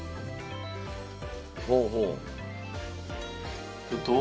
ほうほう。